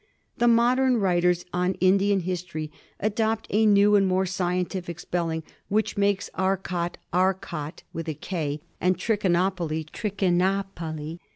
The modern writers on Indian history adopt a new and more scientific spell; ing, which makes Arcot Arkat, and Trichinopoly Trichin dpalli.